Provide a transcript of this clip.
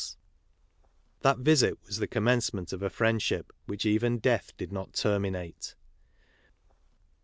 That visit was the commence ment of a friendship which even death did not terminate.